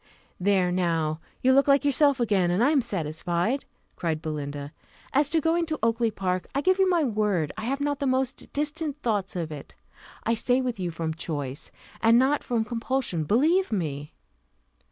"There now, you look like yourself again, and I am satisfied," cried Belinda. "As to going to Oakly park, I give you my word I have not the most distant thoughts of it. I stay with you from choice, and not from compulsion, believe me."